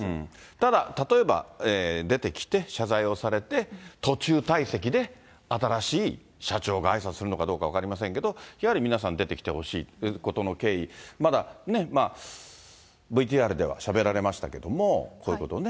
ただ、例えば出てきて、謝罪をされて、途中退席で新しい社長があいさつするのかどうか分かりませんけれども、やはり皆さん出てきてほしい、事の経緯、ＶＴＲではしゃべられましたけども、こういうことをね。